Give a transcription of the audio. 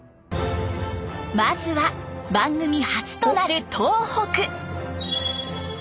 まずは番組初となる東北。